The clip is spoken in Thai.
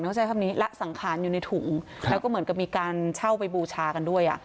ใช้คำนี้ละสังขารอยู่ในถุงแล้วก็เหมือนกับมีการเช่าไปบูชากันด้วยอ่ะ